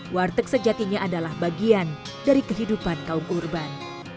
warteg sejatinya adalah bagian dari kehidupan kaum urban